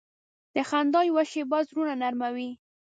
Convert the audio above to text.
د خندا یوه شیبه زړونه نرمه وي.